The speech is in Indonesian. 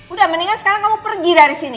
udah mendingan sekarang kamu pergi dari sini